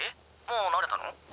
もう慣れたの？